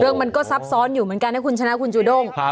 มันก็ซับซ้อนอยู่เหมือนกันนะคุณชนะคุณจูด้ง